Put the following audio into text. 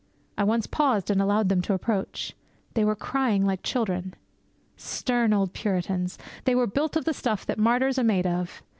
I once paused and allowed them to approach. They were crying like children. Stern old Puritans! They were built of the stuff that martyrs are made of.